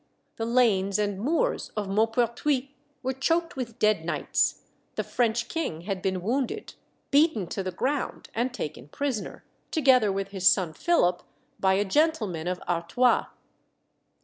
The lanes and moors of Maupertuis were choked with dead knights; the French king had been wounded, beaten to the ground, and taken prisoner, together with his son Philip, by a gentleman of Artois.